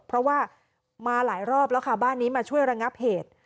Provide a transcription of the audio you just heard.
เพราะว่ามาหลายรอบแล้วค่ะบ้านนี้มาช่วยระงับเหตุ